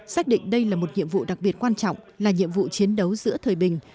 xác định đây là một nhiệm vụ đặc biệt quan trọng là nhiệm vụ chiến đấu giữa thời bình